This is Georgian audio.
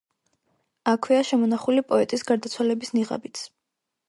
აქვეა შემონახული პოეტის გარდაცვალების ნიღაბიც.